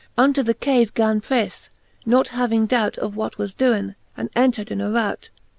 Unto the cave gan preafle ; nought having dout Of that was doen, and entred in a rout.